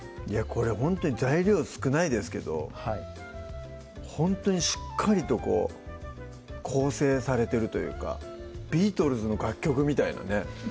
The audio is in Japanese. これほんとに材料少ないですけどほんとにしっかりとこう構成されてるというかビートルズの楽曲みたいなね